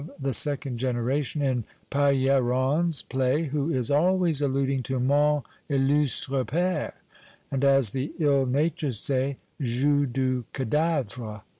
IRVIiNG the second generation in Pailleron's play who is always alluding to 7non illustre jpere, and as the ill natured say joue du cadavre.